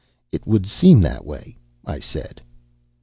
"It would seem that way," I said.